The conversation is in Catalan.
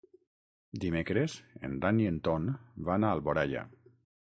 Dimecres en Dan i en Ton van a Alboraia.